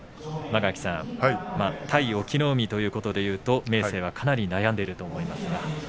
間垣さん、対隠岐の海ということで言いますと明生はかなり悩んでいると思いますが。